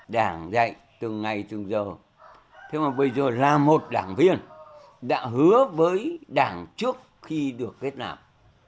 đảng dạy từng ngày từng giờ thế mà bây giờ là một đảng viên đã hứa với đảng trước khi được kết nạp